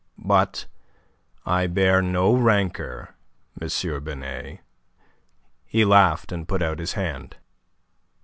But I bear no rancour, M. Binet." He laughed, and put out his hand.